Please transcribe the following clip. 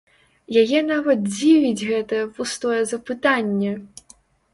Яе нават дзівіць гэтае пустое запытанне!